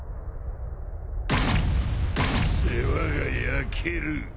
世話が焼ける。